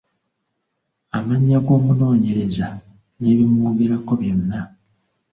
Amannya g’omunoonyereza n’ebimwogerako byonna.